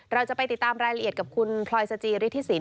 เราจะไปติดตามรายละเอียดกับคุณพลอยสจิฤทธิสิน